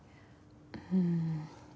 うん。